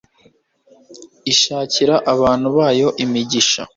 ishakira abantu bayo imigisha